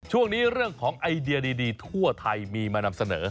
ช่วงนี้เรื่องของไอเดียดีทั่วไทยมีมานำเสนอ